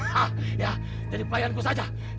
hah ya jadi pelayanku saja